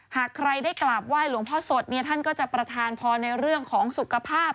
หากใครได้กราบไหว้หลวงพ่อสดเนี่ยท่านก็จะประทานพรในเรื่องของสุขภาพ